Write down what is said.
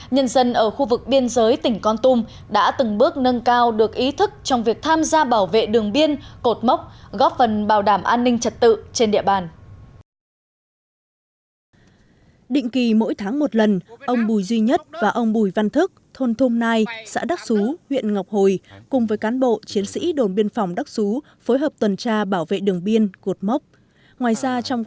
nhân dân ở khu vực biên giới tỉnh con tum đã từng bước nâng cao được ý thức trong việc tham gia bảo vệ đường biên cột mốc góp phần bảo đảm an ninh trật tự trên địa bàn